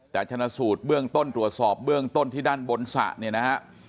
แต่ชนะสูดเบื้องต้นตรวจสอบเบื้องต้นที่ด้านบนสระ